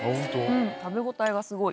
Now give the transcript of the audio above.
うん食べ応えがすごい。